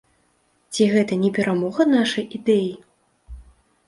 Ці гэта не перамога нашай ідэі?